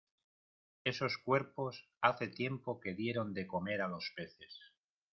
esos cuerpos hace tiempo que dieron de comer a los peces.